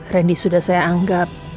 randy sudah saya anggap